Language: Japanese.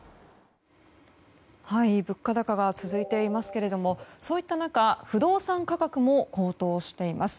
物価高が続いていますけどもそういった中不動産価格も高騰しています。